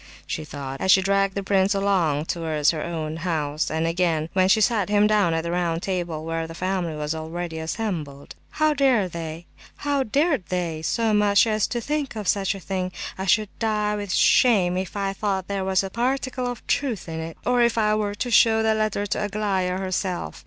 she thought, as she dragged the prince along towards her own house, and again when she sat him down at the round table where the family was already assembled. "How dared they so much as think of such a thing? I should die with shame if I thought there was a particle of truth in it, or if I were to show the letter to Aglaya herself!